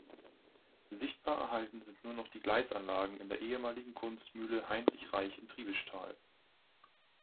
Sichtbar erhalten sind noch die Gleisanlagen in der ehemaligen Kunstmühle Heinrich Reich in Triebischtal.